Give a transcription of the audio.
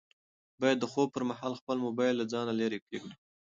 باید د خوب پر مهال خپل موبایل له ځانه لیرې کېږدو.